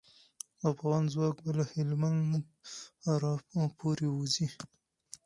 افغان ځواک به له هلمند راپوری وځي.